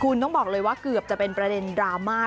คุณต้องบอกเลยว่าเกือบจะเป็นประเด็นดราม่า